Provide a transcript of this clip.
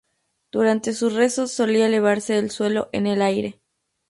Durante sus rezos solía elevarse del suelo en el aire.